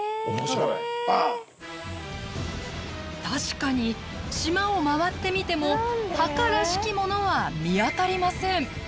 確かに島を回ってみても墓らしきものは見当たりません。